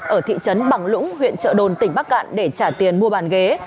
ở thị trấn bằng lũng huyện trợ đồn tỉnh bắc cạn để trả tiền mua bàn ghế